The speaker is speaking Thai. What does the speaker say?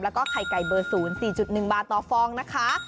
แล้วก็ไข่ไก่เบอร์๐๔๑บาทต่อฟองนะคะ